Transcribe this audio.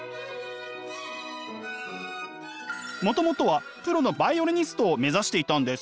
もともとはプロのバイオリニストを目指していたんです。